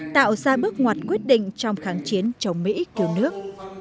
tạo ra bước ngoặt quyết định trong kháng chiến chống mỹ cứu nước